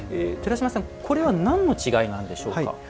これは何の違いなんでしょうか？